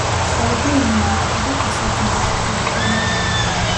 ცხოვრობდა ნიუ-იორკში და პასადინეში, კალიფორნია.